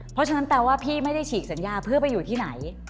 เพราะฉะนั้นแปลว่าพี่ไม่ได้ฉีกสัญญาเพื่อไปอยู่ที่ไหน